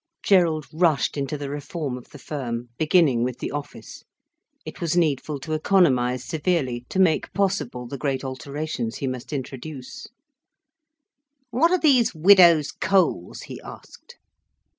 Gerald rushed into the reform of the firm, beginning with the office. It was needful to economise severely, to make possible the great alterations he must introduce. "What are these widows' coals?" he asked.